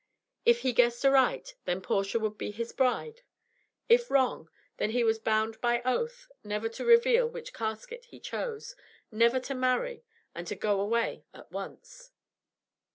If he guessed aright, then Portia would be his bride; if wrong, then he was bound by oath never to reveal which casket he chose, never to marry, and to go away at once.